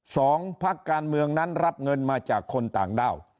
พักการเมืองนั้นรับเงินมาจากคนต่างด้าว